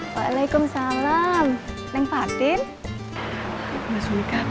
pak jajak di wali sinar